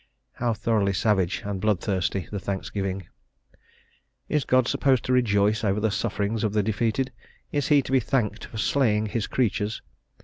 How thoroughly savage and bloodthirsty the thanksgiving! Is God supposed to rejoice over the sufferings of the defeated? Is he to be thanked for slaying his creatures?